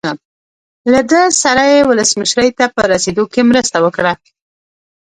له ده سره یې ولسمشرۍ ته په رسېدو کې مرسته وکړه.